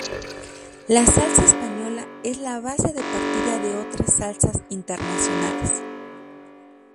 La salsa española es la base de partida de otras salsas internacionales.